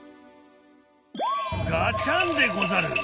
ガチャンでござる。